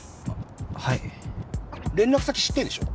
はい連絡先知ってんでしょ？